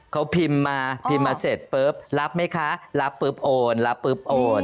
เขาพิมพ์มาพิมพ์มาเสร็จปุ๊บรับไหมคะรับปุ๊บโอนรับปุ๊บโอน